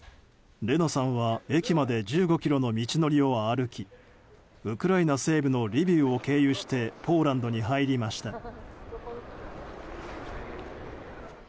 レナさんは駅まで１５ｋｍの道のりを歩きウクライナ西部のリビウを経由してポーランドに入りました。